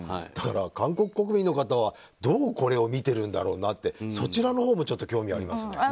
だから韓国国民の方はどう見てるんだろうなってそちらのほうも興味ありますね。